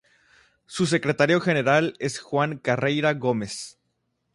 Su secretario general es Juan Carreira Gómez.